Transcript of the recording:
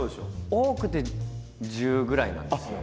多くて１０ぐらいなんですよ。